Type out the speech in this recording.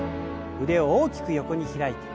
腕を大きく横に開いて。